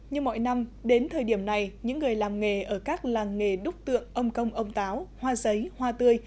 như mọi năm đến thời điểm này những người làm nghề ở các làng nghề đúc tượng ông công ông táo hoa giấy hoa tươi